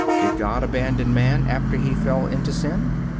Did God abandon man after he fell into sin?